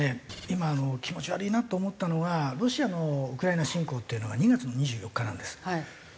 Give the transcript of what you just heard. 今気持ち悪いなと思ったのはロシアのウクライナ侵攻っていうのが２月の２４日なんです。